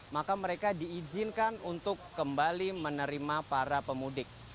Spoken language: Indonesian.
maka mereka diizinkan untuk kembali menerima para pemudik